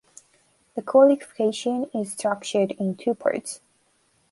The qualification is structured in two parts.